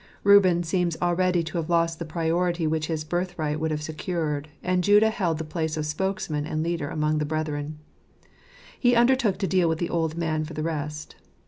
Reuben seems already to have lost the priority which his birthright would have secured, and Judah held the place of spokesman and leader amongst the brethren. He undertook to deal with the old man for the rest.